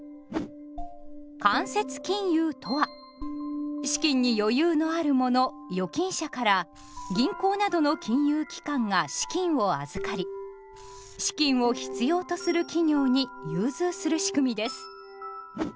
間接金融とは資金に余裕のある者預金者から銀行などの金融機関が資金を預かり資金を必要とする企業に融通するしくみです。